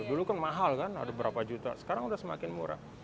dulu kan mahal kan ada berapa juta sekarang sudah semakin murah